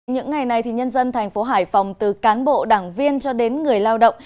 những ngày này nhân dân thành phố hải phòng từ cán bộ đảng viên cho đến người lao động